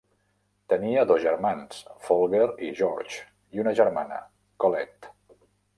Tenia dos germans, Folger i George, i una germana, Collette.